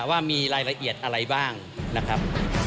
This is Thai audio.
ว่ามีรายละเอียดอะไรบ้างนะครับ